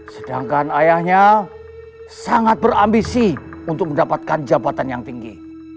sedangkan ayahnya sangat berambisi untuk mendapatkan jabatan yang tinggi